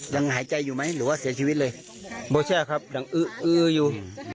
ยังหายใจอยู่ไหมหรือว่าเสียชีวิตเลยไม่ใช่ครับอยู่